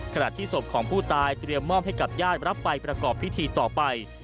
ขณะที่ศพของผู้ตายเตรียมมอบให้กับญาติรับไปประกอบพิธีต่อไป